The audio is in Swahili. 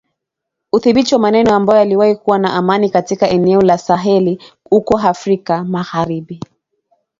udhibiti wa maeneo ambayo yaliwahi kuwa na amani katika eneo la Saheli huko Afrika magharibi